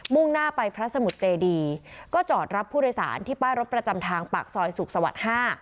่งหน้าไปพระสมุทรเจดีก็จอดรับผู้โดยสารที่ป้ายรถประจำทางปากซอยสุขสวรรค์๕